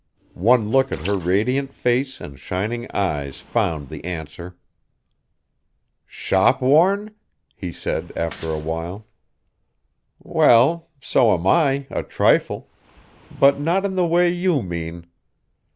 One look at her radiant face and shining eyes found the answer. "Shop worn?" he said after a while. "Well, so am I, a trifle, but not in the way you mean.